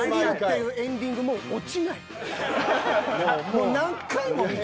もう何回も見た。